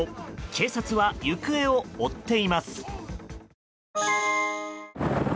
警察は行方を追っています。